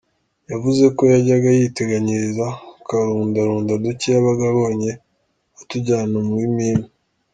Yavuze ko yajyaga yiteganyiriza akarundarunda duke yabaga abonye atujyana mu bimina.